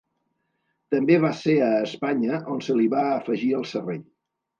També va ser a Espanya on se li va afegir el serrell.